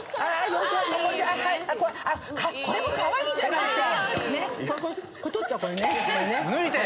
これもかわいいじゃないさ。